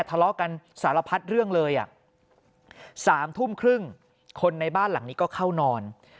ทะเลาะกันสารพัดเรื่องเลยอ่ะ๓ทุ่มครึ่งคนในบ้านหลังนี้ก็เข้านอน